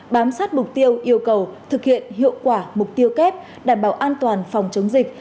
bám sát mục tiêu yêu cầu thực hiện hiệu quả mục tiêu kép đảm bảo an toàn phòng chống dịch